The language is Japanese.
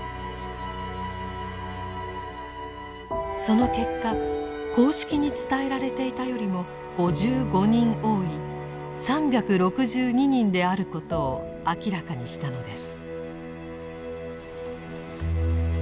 その結果公式に伝えられていたよりも５５人多い３６２人であることを明らかにしたのです。